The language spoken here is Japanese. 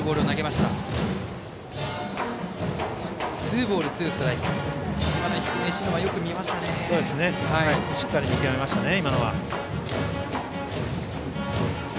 しっかり見極めましたね。